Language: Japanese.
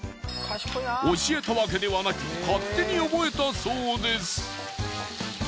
教えたわけではなく勝手に覚えたそうです。